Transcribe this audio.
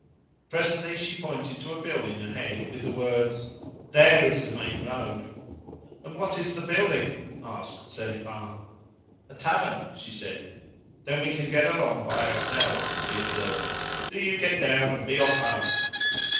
Presently she pointed to a building ahead, with the words, "THERE is the main road." "And what is the building?" asked Selifan. "A tavern," she said. "Then we can get along by ourselves," he observed. "Do you get down, and be off home."